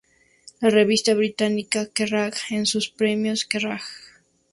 La revista británica Kerrang!, en sus premios Kerrang!